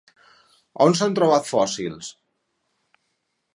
On s'han trobat fòssils?